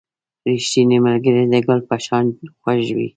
• ریښتینی ملګری د ګل په شان خوږ وي.